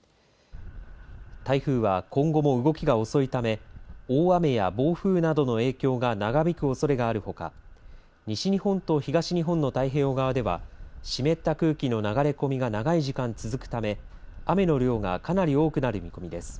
台風は今後も動きが遅いため大雨や暴風などの影響が長引くおそれがあるほか西日本と東日本の太平洋側では湿った空気の流れ込みが長い時間続くため雨の量がかなり多くなる見込みです。